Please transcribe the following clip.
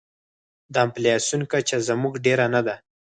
د انفلاسیون کچه زموږ ډېره نه ده.